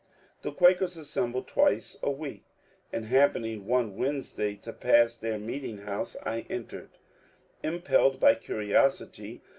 The Quakers assembled twice a week, and happening one Wednesday to pass their meeting house, I entered, — impelled by curiosity.